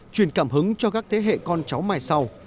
truyền cảm hứng cho các thế hệ con cháu mai sau